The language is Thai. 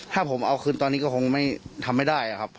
ถ้าผมเอาคืนตอนนี้ก็คงไม่ทำไม่ได้ครับ